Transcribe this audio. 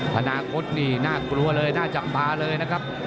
ถนากฎนี่งน้าคลัวเลยงน่าจำบาเลยนะครับ